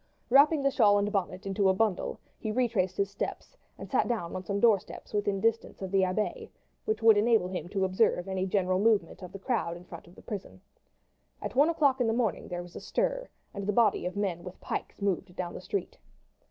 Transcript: Wrapping the shawl and bonnet into a bundle, he retraced his steps, and sat down on some doorsteps within a distance of the Abbaye which would enable him to observe any general movement of the crowd in front of the prison. At one o'clock in the morning there was a stir, and the body of men with pikes moved down the street.